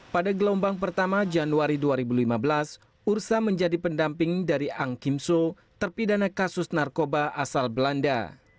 pada gelombang pertama januari dua ribu lima belas ursa menjadi pendamping dari ang kimso terpidana kasus narkoba asal belanda